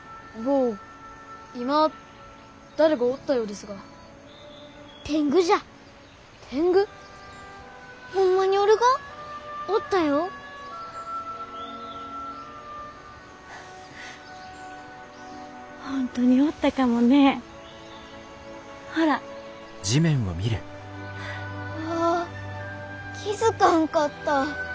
うわ気付かんかった。